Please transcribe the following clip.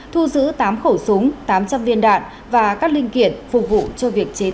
thu giữ tám khẩu súng tám trăm linh viên đạn và các linh kiện phục vụ cho việc chế tạo